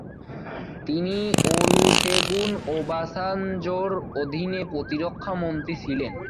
তিনি ওলুসেগুন ওবাসাঞ্জোর অধীনে প্রতিরক্ষা মন্ত্রী ছিলেন।